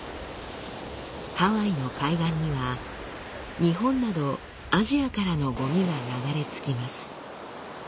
ハワイの海岸には日本などアジアからのゴミが流れ着きます。